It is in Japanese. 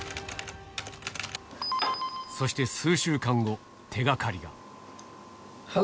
そして数週間後、手がかりが。